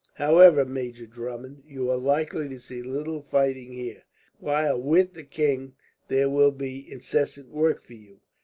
"However, Major Drummond, you are likely to see little fighting here; while with the king there will be incessant work for you.